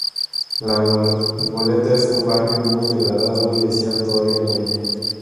La Goleta es un barrio muy degradado y de cierto aire bohemio.